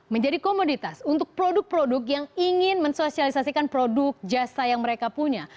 menjadi komoditas untuk produk produk yang ingin mensosialisasikan produk jasa yang mereka punya